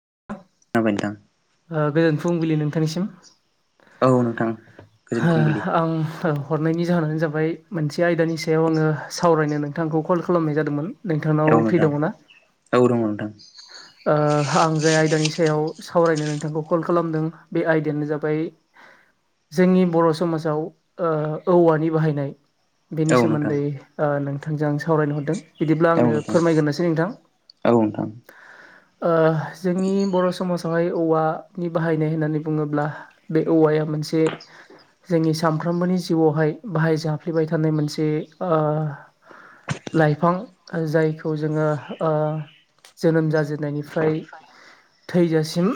[unintelligible] ओ गोजोन फुंबिलि नोंथांनिसिम। औ नोंथां गोजोन फुंबिलि [unintelligible] आं औ हरनायनि जाहोनानो जाबाय मोनसे आयदानि सायाव आङो सावरायनो नोंथांखौ कल खालामनाय जादोंमोन नोंथांनाव औ फ्रि नोंथां दङ ना? औ दङ नोंथां ओ आं जाय आयदानि सायाव सावरायनो नोंथांखौ कल खालामदों बे आयदायानो जाबाय जोंनि बर' समाजाव ओ औवानि बाहायनाय बेनि औ नोंथां सोमोन्दै ओ नोंथांजों आं सावरायनो हरदों। बिदिब्ला औ आंनो नोंथां फोरमायग्रोसै नोंथां। औ नोंथां जोंनि बर' समाजावहाय औवा नि बाहायनाय होननानै बुङोब्ला बे औवाया मोनसे जोंनि सानफ्रोमबोनि जिउआवहाय बाहाय जाफ्लेबाय थानाय मोनसे लाइफां जायखौ जोङो जोनोम जाजेन्नायनिफ्राय थैजासिम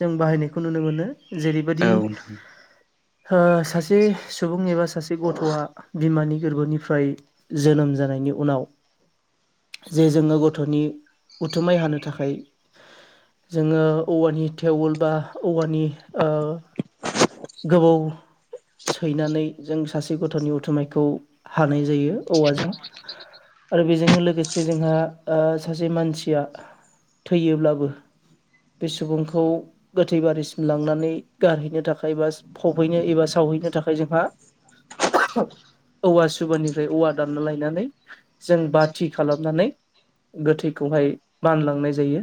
जों बाहायनायखौ नुनो मोनो औ नोंथां जेरैबादि औ सासे सुबुं एबा सासे गथ'आ बिमानि गोरबोनिफ्राय जोनोम जानायनि उनाव जे जोङो गथ'नि उथुमाय हानो थाखाय जोङो औवानि टेवल बा औवानि गोबौ सैनानै जों सासे गथ'नि उथुमायखौ हानाय जायो औवाजों आरो बेजोंनो लोगोसे जोंहा सासे मानसिया थैयोब्लाबो बे सुबुं खौ गोथै बारिसिम लांनानै गारहैनो थाखाय एबा फबहैनो एबा सावहैनो थाखाय जोंहा [inaudible] औवा सुबानिफ्राय औवा दानना लायनानै जों बाथि खालामनानै गोथैखौहाय बानलांनाय जायो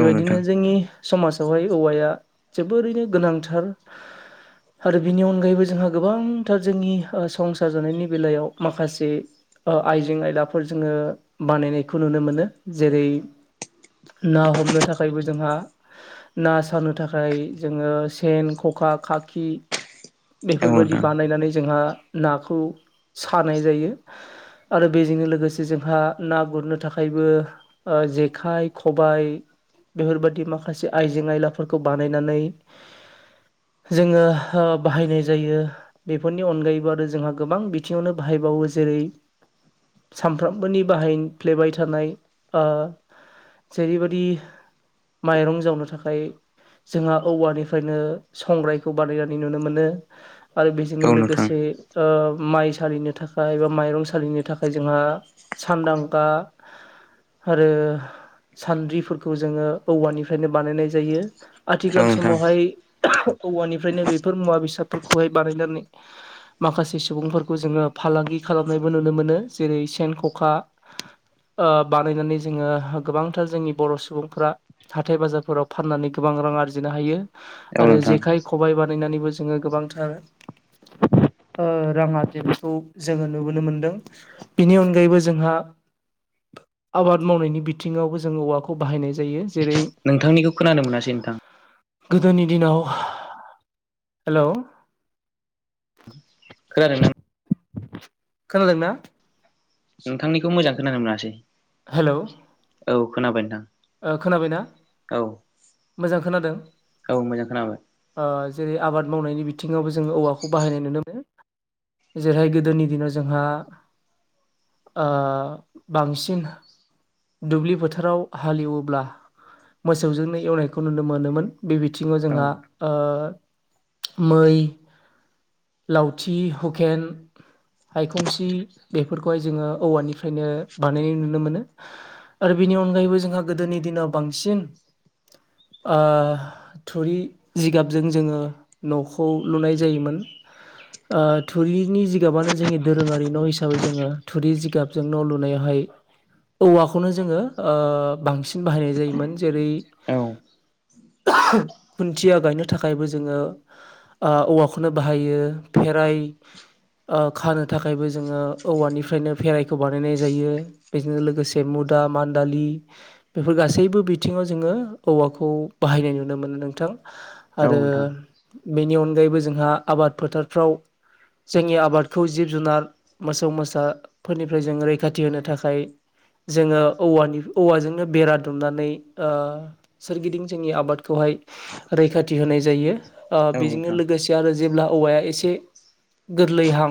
बेबायदिनो नोंथां जोंनि समाजावहाय औवाया जोबोरैनो गोनांथार आरो बिनि अनगायैबो जोंहा गोबांथार जोंनि संसार ओ जानायनि बेलायाव माखासे ओ आइजें आयदफोर जोंङो बानायनायखौ नुनो मोनो जेरै- ना हमनो थाखायबो जोंहा ना सारनो थाखाय जोंङो सेन, खखा, खाखि औ नोंथां बेफोरबायदि औ बानायनानै जोंहा नाखौ सानाय जायो आरो बेजोंनो लोगोसे जोंहा ना गुरनो थाखायबो ओ जेखाय, खबाइ बेफोरबायदि माख खासे आयजें आयलाफोरखौ बानायनानै जोंङो ओ बाहायनाय जायो बेफोरनि अनगायैबो आरो जोंहा गोबां बिथिंङावनो बाहाय बायो जेरै सानफ्रामबोनि बाहायफ्लेबाय थानाय ओ जेरैबायदि माइरं जावनो थाखाय जोंहा औवानिफ्रायनो संग्रायखौ बानायनानै नुनो मोनो आरो बेजोंनो नोंथां लोगोसे ओ माइ सालिनो थाखाय बा माइरं सालिनो थाखाय जोंहा सान्दांगा आरो सान्द्रिफोरखौ जोंङो औवानिफ्रायनो बानायनाय जायो औ आथिखाल नोंथां समावहाय औवानिफ्रायनो बेफोर मुवा बेसादफोरखौहाय बानायनानै माखासे सुबुंफोरखौ जोंङो फालांगि खालामनायबो नुनो मोनो जेरै सेन, खखा ओ बानायनानै जोंङो गोबांथार जोंनि बर' सुबुंफोरा हाथाय बाजारफोराव फाननानै गोबां रां आरजिनो हायो औ आरो नोंथां जेखाइ, खबाइ बा बनायनानैबो जोंङो गोबांथार ओ‌ रांङा जि बेखौ जोंङो नुबोनो मोनदों बिनि अनगायैबो जोंहा आबाद मावनायनि बिथिंङावबो जोंङो औवाखौ बाहायनाय जायो जेरै नोंथांनिखौ खोनानो मोनासै नोंथां गोदोनि दिनाव हेलौ खोनादोंना नों खोनादोंना नोंथांनिखौ मोजां खोनानो मोनासै हालौ औ खोनाबाय नोंथां ओ खोनाबायना औ मोजां खोनादों औ मोजां खोनाबाय ओ जेरै आबाद मावनायनि बिथिंङावबो जोंङो औवाखौ बाहायनाय नुनो मोनो। जेरैहाय गोदोनि दिनाव जोंहा ओ बांसिन दुब्लि फोथाराव हालेवोब्ला मोसौजोंनो एवनायखौ नुनो मोनोमोन। बे बिथिंङाव औ जोंहा ओ मै, लावथि, हुकेन हायखंसि बेफोरखौहाय जोंङो औवानिफ्रायनो बानायनाय नुनो मोनो। आरो बिनि अनगायैबो जोंहा गोदोनि दिनाव बांसिन ओ‌ थुरि जिगाबजों जोंङो नखौ लुनाय जायोमोन। ओ थुरिनि जिगाबानो जोंनि दोरोंङारि न हिसाबै जोंङो थुरि जिगाबजों न' लुनायावहाय औवाखौनो जोंङो ओ बांसिन बाहायनाय जायोमोन। जेरै औ [inaudible] ओहो खुन्थिया गायनो थाखायबो जोंङो ओ‌ औवाखौनो बाहायो फेराइ [inaudible] ओ खानो थाखायबो जोंङो औवानिफ्रायनो भेराइखौ बानायनाय जायो बेजोंनो लोग लोगोसे मुदा मान्दालि बेफोर गासैबो बिथिंङाव जोंङो औवाखौ बाहायनाय नुनो मो मोनो नोंथां। औ आरो नोंथां बेनि अनगायैबो जोंहा आबाद फोथारफ्राव जोंनि आबादखौ जिब-जुनार मोसौ मोसा फोरनिफ्राय जों रैखाथि होनो थाखाय जोङो औवानि औवाजोंनो बेरा दुमनानै ओ सोरगिदिं जोंनि आबाद खौहाय रैखाथि होनाय जायो। ओ औ बेजोंनो नोंथां लोगोसे आरो जेब्ला औवाया एसे गोरलैहां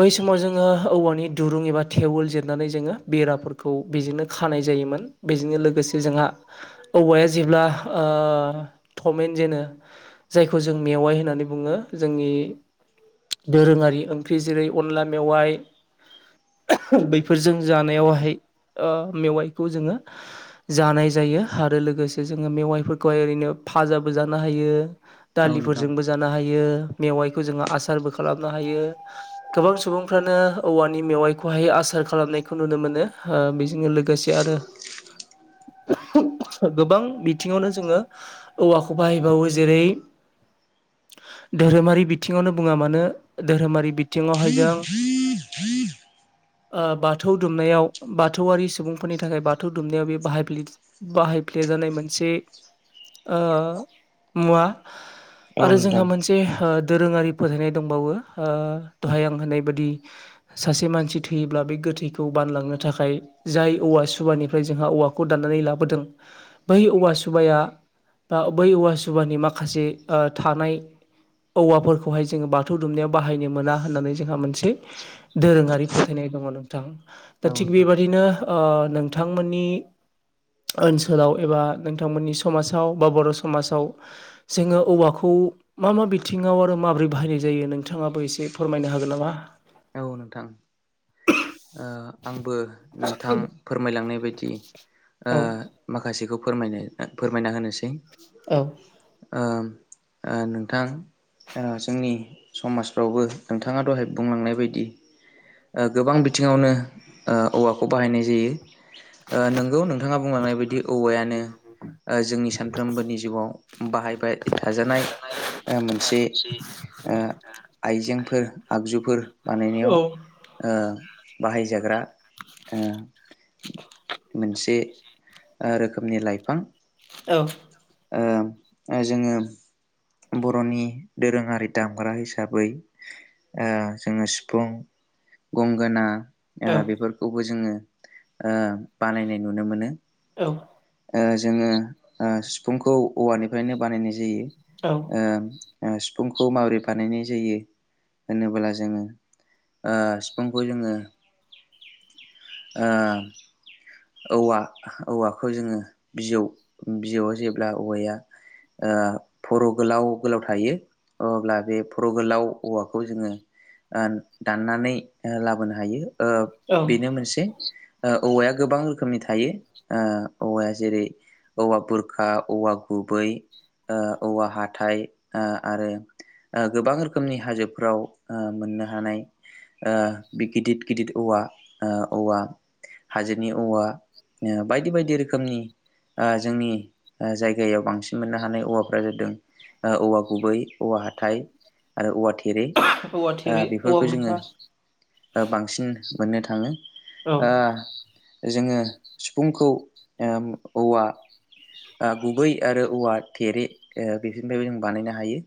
बै समाव जोङो औवानि दुरुं एबा टेवल जिरनानै जोङो बेराफोरखौ बेजोंनो खानाय जायोमोन बेजोंनो लोगोसे जोंहा औवाया जेब्ला ओ ओ थ'मेन जेनो जायखौ जों मेवाइ होननानै बुङो। जोंनि दोरोङारि ओंख्रि जेरै अनला मेवाइ बैफोरजों जानायावहाय ओ मेवाइखौ जोङो जानाय जायो। आरो लोगोसे जोङो मेवाइफोरखौहाय ओरैनो फाजाबो जानो हायो औ नोंथां दालिफोरजोंबो जानो हायो। मेवाइखौ जों आसारबो खालामनो हायो गोबां सुबुंफ्रानो औवानि मेवाइखौहाय आसार खालामनाय खो नुनो मोनो ओ बेजोंनो लोगोसे आरो गोबां बिथिङावनो जोङो औवाखौ बाहायबावो। जेरै धोरोमारि बिथिङावनो बुङा मानो धोरोमारि बिथिङावहाय जों [inaudible] आ बाख बाथौ दुमनायाव बाथौआरि सुबुंफोरनि थाखाय बाथौ दुमनायाव बे बाहायफ्ले-बाहायफ्लेजानाय मोनसे ए ओ मुवा औ आरो जोंहा नोंथां मोनसे ओ दोरोङारि फोथायनाय दंबावो। ओ दहाय आं होनाय बादि सासे मानसि थैयोब्ला बे गोथैखौ खौ बानलांनो थाखाय जाय औवा सुबानिफ्राय जोंहा औवाखौ दान्नानै लाबोदों बै औवा सुबाया बा बै औवा सुबानि माखासे ओ थानाय औवाफोरखौहाय जोङो बाथौ दुमनायाव बाहायनो मोना होननानै जोंहा मोनसे दोरोङारि फोथायनाय दङ नोंथां। दा औ थिग नोंथां बेबादिनो ओ नोंथांमोननि ओनसोलाव एबा नोंथांमोननि समाजाव बा बर' समाजाव जोङो औवाखौ उ मा मा बिथिङाव आरो माबोरै बाहायनाय जायो नोंथाङाबो एसे फोरमायनो हागोन नामा? औ नोंथां। ओ आंबो उमह। नोंथां फोरमायलांनाय बायदि ओ औ माखासेखौ फोरमायनो बा फोरमायना होनोसै। औ। ओम ओ नोंथां ओ जोंनि समाजफ्रावबो नोंथाङा दहाय बुंलांनाय बायदि ओ गोबां बिथिङावनो ओ औवाखौ बाहायनाय जायो। ओ नोंगौ नोंथाङा बुंलांनाय बायदि औवायानो ओ जोंनि सानफ्रोमबोनि जिउआव बाहायबाय थाजानाय ओ मोनसे ओ आइजेंफोर आगजुफोर औ बानायनायाव ओ बाहायजाग्रा ओ मोनसे ओ रोखोमनि लाइफां औ ओम ओ जोङो बर'नि दोरोङारि दामग्रा हिसाबै ओ जोङो सिफुं गंगोना ओ औ बेफोरखौबो जोङो ओ बानायनाय नुनो मोनो। औ ओ जोङो ओ सिफुंखौ औवानिफ्रायनो बानायनाय जायो औ ओ ओ सिफुंखौ माबोरै बानायनाय जायो होनोबोला जोङो ओ सिफुंखौ जोङो ओ औवा औवाखौ जोङो बिजौ बिजौआव जेब्ला औवाया ओ फर' गोलाव गोलाव थायो अब्ला बे फर' गोलाव औवाखौ जोङो ओ दाननानै लाबोनो हायो ओ औ बेनो मोनसे ओ औवाया गोबां रोखोमनि थायो ओ औवाया जेरै औवा बुरखा, औवा गुबै, ओ औवा हाथाइ ओ आरो ओ गोबां रोखोमनि हाजोफोराव ओ मोननो हानाय ओ बे गिदिर गिदिर औवा ओ औवा हाजो बेनि औवा ओ बायदि बायदि रोखोमनि आ जोंनि आ जायगायाव बांसिन मोननो हानाय औवाफ्रा जादों ओ औवा गुबै, औवा हाथाय आरो औवा थे रे औवा थेरे ओ औवा बेफोरखौ जोङो बुरखा ओ बांसिन मोननो थाङो औ आ जोङो सिफुंखौ ओ औवा आ गुबै आरो औवा ओ थेरे ओ बेफोरोरनिफ्रायबो जों बानायनो हायो।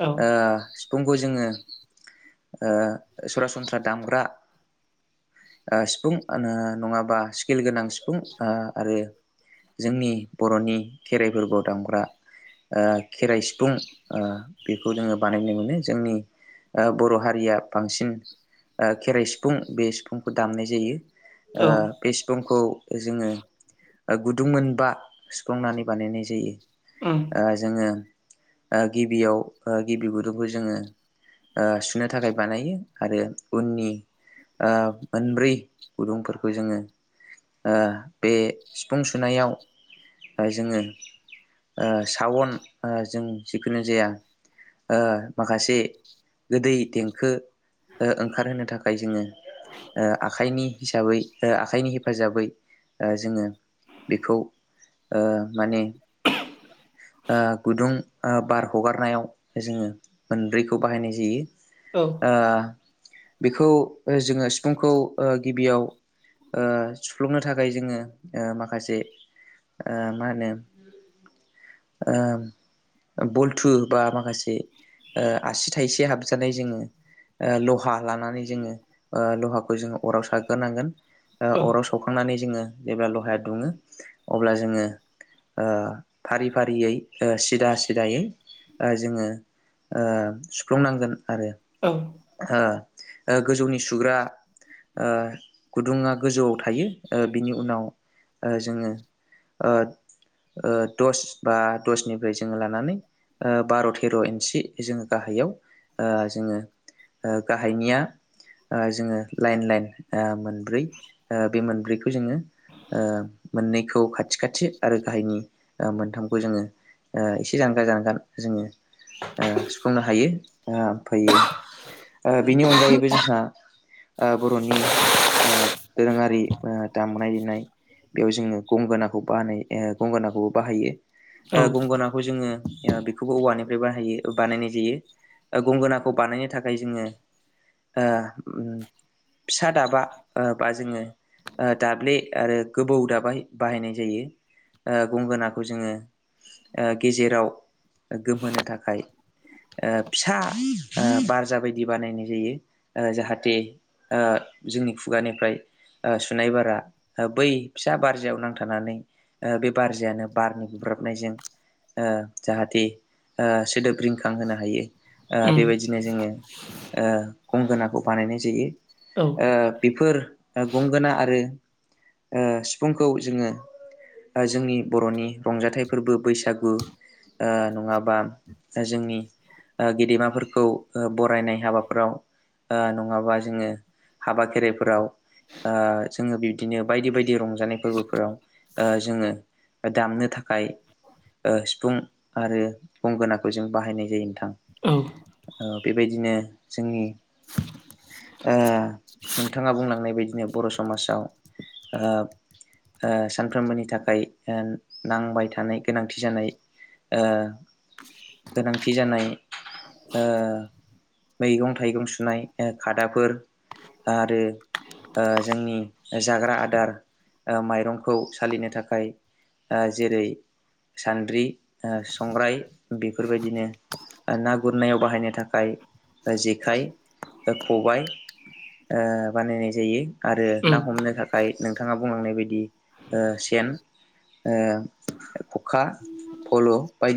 औ ओ सिफुंखौ जोङो ओ सरासनस्रा दामग्रा ओ सिफुं ओ नङाब्ला बा स्किल गोनां सिफुं आ आरो जोंनि बर'नि खेराइ फोरबोआव दामग्रा ओ खेराइ सिफुं ओ बेखौ जोङो बानायनाय मोनो जोंनि ओ बर' हारिया बांसिन ओ खेराइ सिफुं बे सिफुंखौ दामनाय जायो। औ ओ सिुफंखौ जोङो ओ गुदुं मोनबा सुफ्लंनानै बानायनाय जायो। उम ओ जोङो ओ गिबियाव ओ गिबि गुदुंखौ जोङो ओ सुनो थाखाय बानायो। आरो उननि ओ मोनब्रै गुदुंफोरखौ जोङो ओ बे सिफुं सुनायाव ओ जोङो ओ सावन जों जिखुनु जाया ओ माखासे गोदै देंखो ओ ओंखारहोनो थाखाय जोङो ओ आखाइनि हिसाबै ओ आखाइनि हेफाजाबै ओ जोङो बेखौ ओ माने ओ गुदुं बार हगारनायाव जोङो मोनब्रैखौ बाहायनाय जायो। औ ओ बेखौ जोङो सिफुंखौ ओ गिबियाव ओ सुफ्लुंनो थाखाय जोङो ओ माखासे ओ मा होनो ओ बलथु बा माखासे ओ आसि थाइसे हाबजानाय जोङो ओ लहा लानानै जोङो लहाखौ जोङो अराव सारग्रोनांगोन। ओ औ उम अराव सौखांनानै जोङो जेब्ला लहाया दुङो अब्ला जोङो ओ- फारि फारियै सिदा सिदायै ओ- जोङो ओ- सुफ्लुंनांगोन आरो ओ- गोजौनि सुग्रा ओ- गुदुङा गोजौआव थायो ओ- बिनि उनाव ओ- जोङो ओ- ओ- दस बा दसनिफ्राय जोङो लानानै ओ- बार' थेर' इन्सि जोङो गाहाय याव- ओ- जोङो ओ- गाहायनिया ओ- जोङो लाइन लाइन ओ- मोनब्रै ओ- बे मोनब्रैखौ जोङो ओ- मोननैखौ खाथि खाथि आरो गाहायनि ओ- मोनथामखौ जोङो ओ- एसे जानगार जानगार जोङो ओ- सुफुंनो हायोम ओ- फैयो बिनि अनगायैबो जोंहा ओ- बर'नि ओ- दोरोङारि ओ- दामनाय देनाय बेयाव जोङो गंगोनाखौ बाह ओ- गंगोनाखौबो बाहायो ओ- गंगोनाखौ जोङो ओ- बेखौबो औवानिफ्राय बाहायो बानायनाय जायो ओ गंगोनाखौ बानायनो थाखाय जोङो ओ फिसा दाबा ओ बा जोङो ओ- दाब्ले आरो गोबौ दाबाय बाहायनाय जायो ओ गंगोनाखौ जोङो गेजेराव गोमहोनो थाखाय ओ फिसा बारज बायदि बानायनाय जायो ओ- जाहाथे जोंनि खुगानिफ्राय सुनाय बारा बै फिसा बारजयाव नांथानानै ओ बे बारजायानो बारनि गोब्राब हाबनायजों ओ जाहाथे ओ सोदोब रिंखां होनो हायो ओ बेबायदिनो जोङो ओ गंगोनाखौ बानायनाय जायो औ ओ बेफोर ओ गंगोना आरो ओ सिफुंखौ जोङो ओ जोंनि बर'नि रंजाथाइ फोरबो बैसागु ओ नङाबा ओ जोंनि ओ गेदेमाफोरखौ ओ बरायनाय हाबाफोराव ओ नङाबा जोङो हाबा खेराइफोराव ओ जोङो बिब्दिनो बायदि बायदि रंजानाय फोरबोफोराव ओ जोङो दामनो थाखाय ओ सिफुं आरो गंगोनाखौ जों बाहायनाय जायो नोंथां औ ओ बेबायदिनो जोंनि ओ नोंथाङा बुंलांनाय बायदिनो बर' समाजाव ओ ओ सानफ्रोमबोनि थाखाय ओ नांबाय थानाय गोनांथि जानाय ओ गोनांथि जानाय ओ मैगं थाइगं सुनाय खादाफोर ओ आरो ओ जोंनि जाग्रा आदार ओ माइरंखौ सालिनो थाखाय जेरै सान्द्रि ओ संग्राय बेफोरबायदिनो ना गुरनायाव बाहायनो थाखाय ओ जेखाइ ओ खबाय ओ बानायनाय जायो आरो ना उम हमनो थाखाय थाखाय नोंथाङा बुंलांनाय बादि ओ सेन ओ खखा फल' बायदि